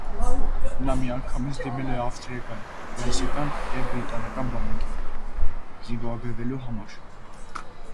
Նա միանգամից դիմել էր ավստրիական, ֆրանսիական և բրիտանական բանակին՝ զինվորագրվելու համար։